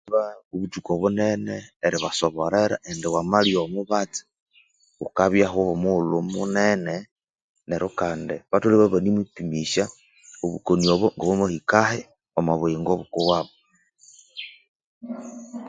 Obuthuku bunene eribasoborera indi wamalya omubatsi ukabyahu omughulu munene neryo kandi batholere ibabya ibanimupisya obukoni obo ngabwamahikahi omeabuyingo bwabu.